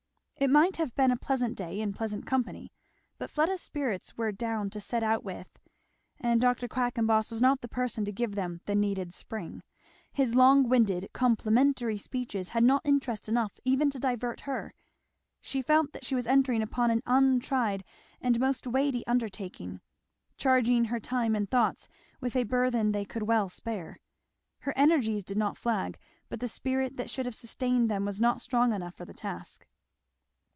It might have been a pleasant day in pleasant company; but Fleda's spirits were down to set out with, and Dr. Quackenboss was not the person to give them the needed spring; his long winded complimentary speeches had not interest enough even to divert her. She felt that she was entering upon an untried and most weighty undertaking; charging her time and thoughts with a burthen they could well spare. Her energies did not flag, but the spirit that should have sustained them was not strong enough for the task.